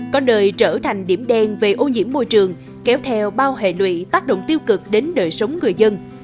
có nơi trở thành điểm đen về ô nhiễm môi trường kéo theo bao hệ lụy tác động tiêu cực đến đời sống người dân